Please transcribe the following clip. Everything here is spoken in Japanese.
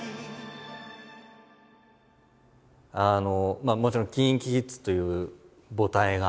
まあもちろんＫｉｎＫｉＫｉｄｓという母体があって。